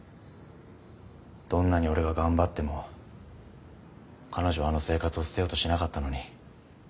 どんなに俺が頑張っても彼女はあの生活を捨てようとしなかったのに。